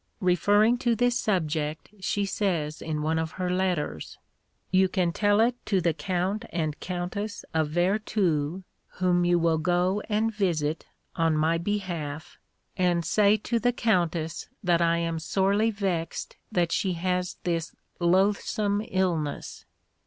2 Referring to this subject, she says in one of her letters: "You can tell it to the Count and Countess of Vertus, whom you will go and visit on my behalf; and say to the Countess that I am sorely vexed that she has this loathsome illness.